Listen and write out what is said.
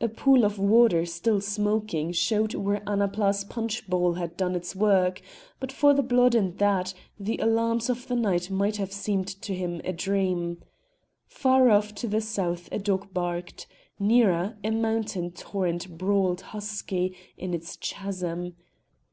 A pool of water still smoking showed where Annapla's punch bowl had done its work; but for the blood and that, the alarms of the night might have seemed to him a dream. Far off to the south a dog barked; nearer, a mountain torrent brawled husky in its chasm.